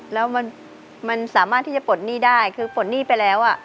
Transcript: แล้วมันสามารถที่จะปลดหนี้ได้คือปลดหนี้ไปแล้ว